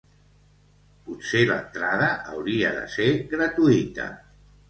Potser l'entrada hauria de ser gratuïta.